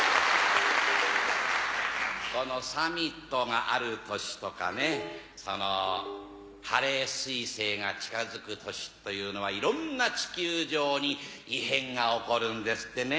このサミットがある年とかねそのハレーすい星が近づく年というのはいろんな地球上に異変が起こるんですってね。